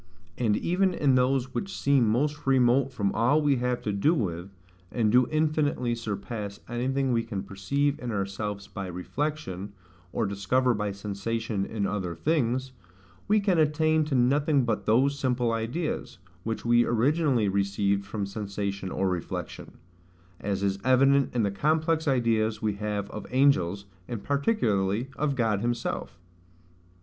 And even in those which seem most remote from all we have to do with, and do infinitely surpass anything we can perceive in ourselves by reflection; or discover by sensation in other things, we can attain to nothing but those simple ideas, which we originally received from sensation or reflection; as is evident in the complex ideas we have of angels, and particularly of God himself.